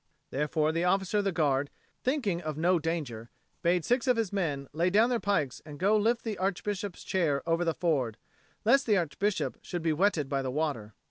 Therefore the officer of the Guard, thinking of no danger, bade six of his men lay down their pikes and go lift the Archbishop's chair over the ford, lest the Archbishop should be wetted by the water.